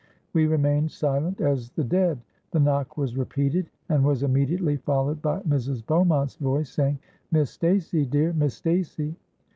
We remained silent as the dead. The knock was repeated, and was immediately followed by Mrs. Beaumont's voice, saying, 'Miss Stacey, dear! Miss Stacey!'